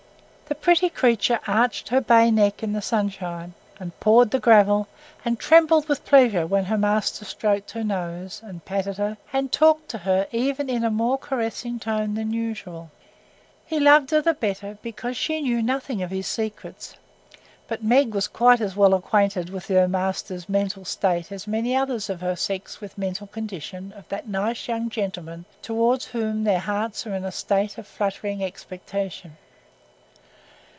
The pretty creature arched her bay neck in the sunshine, and pawed the gravel, and trembled with pleasure when her master stroked her nose, and patted her, and talked to her even in a more caressing tone than usual. He loved her the better because she knew nothing of his secrets. But Meg was quite as well acquainted with her master's mental state as many others of her sex with the mental condition of the nice young gentlemen towards whom their hearts are in a state of fluttering expectation.